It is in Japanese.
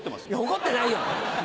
怒ってないよ！